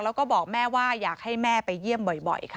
แล้วก็บอกแม่ว่าอยากให้แม่ไปเยี่ยมบ่อยค่ะ